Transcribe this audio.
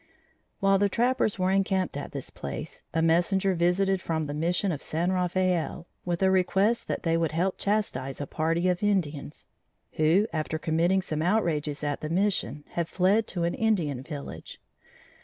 While the trappers were encamped at this place, a messenger visited them from the Mission of San Rafael, with a request that they would help chastise a party of Indians, who, after committing some outrages at the Mission, had fled to an Indian village.